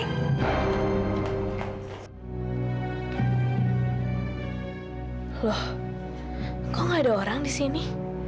loh kok nggak ada orang di sini